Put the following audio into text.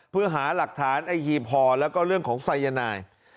เพื่อหาหลักฐานอายีพรแล้วก็เรื่องของไซยาไนด์